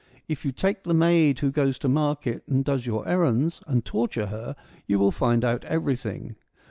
If you take the maid who goes to market and does your errands, and torture her, you will find out everything.